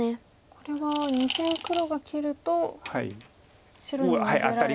これは２線黒が切ると白に逃げられて。